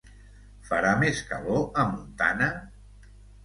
Farà més calor a Montana?